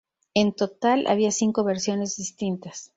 En total había cinco versiones distintas.